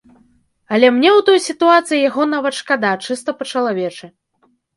Але мне ў той сітуацыі яго нават шкада, чыста па-чалавечы.